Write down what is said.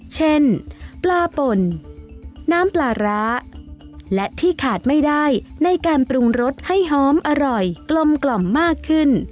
เช่นปลาป่นน้ำปลาร้าและที่ขาดไม่ได้ในการปรุงรสให้หอมอร่อยกลมกล่อมมากขึ้น